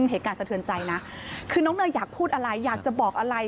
เหตุการณ์สะเทือนใจนะคือน้องเนยอยากพูดอะไรอยากจะบอกอะไร